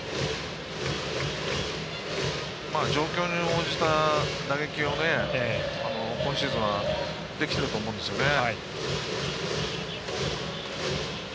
状況に応じた打撃を今シーズンはできていると思うんですよね。